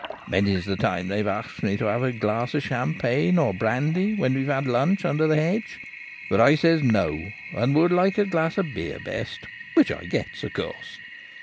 Many's the time they've axed me to have a glass of champagne or brandy when we've had lunch under the hedge ; but I says no, and would like a glass of beer best, which I gets, of course.